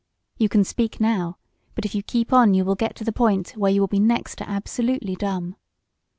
You can speak now, but if you keep on you will get to the point where you will be next to absolutely dumb!"